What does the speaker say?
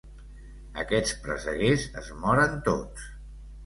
Aquests presseguers es moren tots.